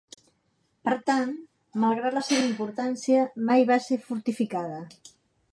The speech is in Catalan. Per tant, malgrat la seva importància, mai va ser fortificada.